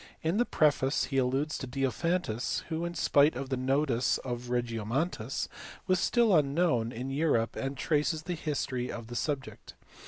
In the preface he alludes to Diophantus who, in spite of the notice of Regiomontanus, was still unknown in Europe, and traces the history of the subject.